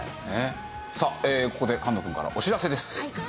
さあここで菅野くんからお知らせです。